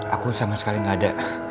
aku sama sekali nggak ada